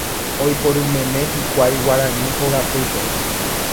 Oiporumeme hikuái guarani hogapýpe.